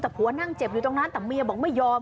แต่ผัวนั่งเจ็บอยู่ตรงนั้นแต่เมียบอกไม่ยอม